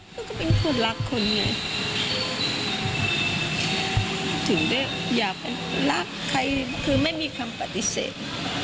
ขอบคุณคุณใจร้อนได้ไหมไม่รู้อยากจะเป็นคนรักใครซึ่งก็จะไม่มีคำปฏิเสธ